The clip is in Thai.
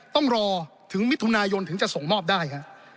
ต้องรอถึงมิถุนายนถึงจะส่งมอบได้